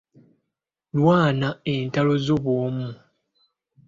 Lwana entalo zo bw'omu.